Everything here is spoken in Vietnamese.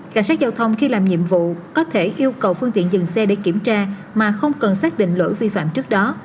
cảnh sát giao thông khi làm nhiệm vụ có thể yêu cầu phương tiện dừng xe để kiểm tra mà không cần xác định lỗi vi phạm trước đó